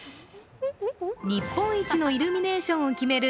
日本一のイルミネーションを決める